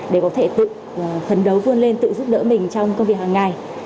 để có thể tự phấn đấu vươn lên tự giúp đỡ mình trong công việc hàng ngày